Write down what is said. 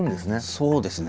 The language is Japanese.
そうですね。